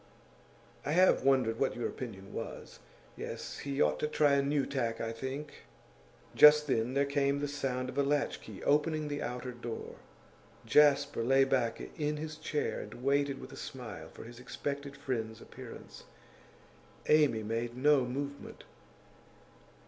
'I have wondered what your opinion was. Yes, he ought to try a new tack, I think.' Just then there came the sound of a latch key opening the outer door. Jasper lay back in his chair and waited with a smile for his expected friend's appearance; Amy made no movement.